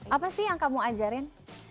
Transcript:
apa sih yang kamu ajarin